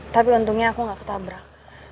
tapi untungnya aku nggak ketabrak